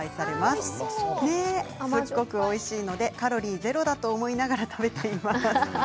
すごくおいしいのでカロリーゼロだと思いながら食べています。